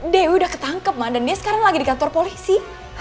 dia udah ketangkep man dan dia sekarang lagi di kantor polisi